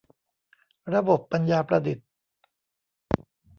ระบบปัญญาประดิษฐ์